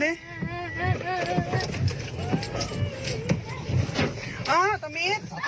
เดี๋ยวแป๊บมึงเนาะ